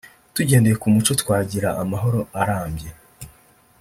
tugendeye ku muco twagira amahoro arambye